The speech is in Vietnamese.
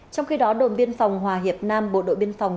trong khi đó đồn biên phòng hòa hiệp nam bộ đội biên phòng